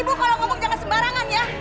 ibu kalau ngomong jangan sembarangan ya